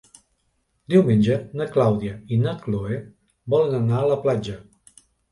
Diumenge na Clàudia i na Cloè volen anar a la platja.